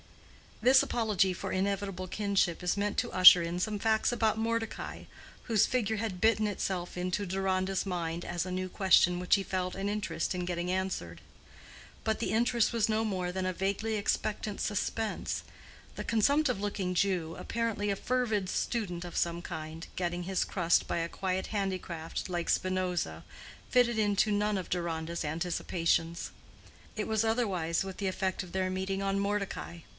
This apology for inevitable kinship is meant to usher in some facts about Mordecai, whose figure had bitten itself into Deronda's mind as a new question which he felt an interest in getting answered. But the interest was no more than a vaguely expectant suspense: the consumptive looking Jew, apparently a fervid student of some kind, getting his crust by a quiet handicraft, like Spinoza, fitted into none of Deronda's anticipations. It was otherwise with the effect of their meeting on Mordecai.